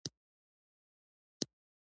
ملا چې پېښ دحلواګانو په کاشين شي